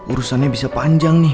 urusannya bisa panjang nih